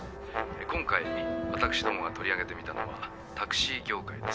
今回私どもが取り上げてみたのはタクシー業界です。